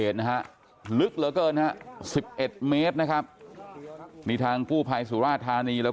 ตาแซม๊อบของพ่อเนี่ย